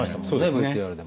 ＶＴＲでも。